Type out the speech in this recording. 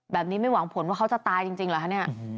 แบบนี้ไม่หวังผลว่าเขาจะตายจริงหรอคะ